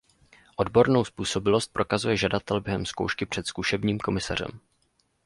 Odbornou způsobilost prokazuje žadatel během zkoušky před zkušebním komisařem.